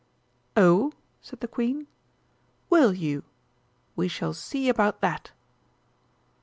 "Oh?" said the Queen, "will you? We shall see about that!"